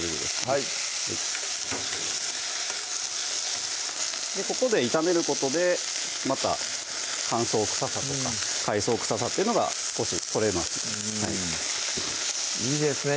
はいここで炒めることでまた乾燥臭さとか海藻臭さっていうのが少し取れますいいですね